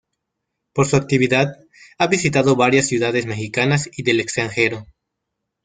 Por su actividad, ha visitado varias ciudades mexicanas y del extranjero.